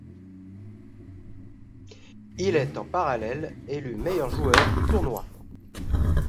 Il est en parallèle élu meilleur joueur du tournoi.